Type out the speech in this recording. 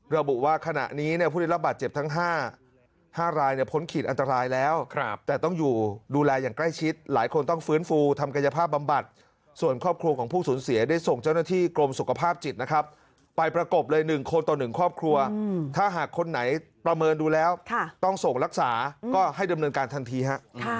ระบุว่าขณะนี้ผู้ได้รับบาดเจ็บทั้ง๕รายพ้นขีดอันตรายแล้วแต่ต้องอยู่ดูแลอย่างใกล้ชิดหลายคนต้องฟื้นฟูทำกายภาพบำบัดส่วนครอบครัวของผู้สูญเสียได้ส่งเจ้าหน้าที่กรมสุขภาพจิตนะครับไปประกบเลย๑คนต่อ๑ครอบครัวถ้าหากคนไหนประเมินดูแล้วต้องส่งรักษาก็ให้ดำเนินการทันทีฮะ